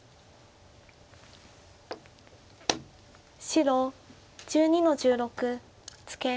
白１２の十六ツケ。